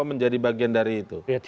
menjadi bagian dari itu